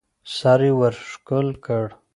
سر يې ورښکل کړ.